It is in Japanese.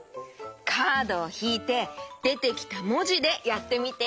カードをひいてでてきたもじでやってみて。